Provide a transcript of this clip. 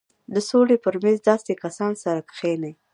د سولې پر مېز داسې کسان سره کښېني.